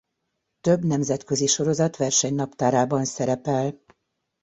Több nemzetközi sorozat versenynaptárában szerepel.